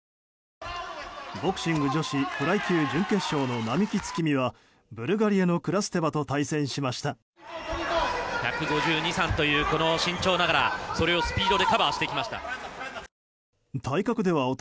ボクシング女子フライ級準決勝の並木月海はブルガリアのクラステバと対戦しました。